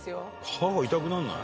歯は痛くならない？